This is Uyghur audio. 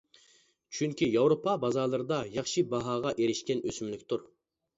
چۈنكى، ياۋروپا بازارلىرىدا ياخشى باھاغا ئېرىشكەن ئۆسۈملۈكتۇر.